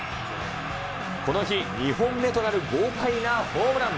この日、２本目となる豪快なホームラン。